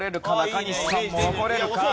中西さんも残れるか？